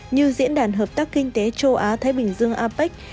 như diễn đàn hợp tác kinh tế châu á thái bình dương apec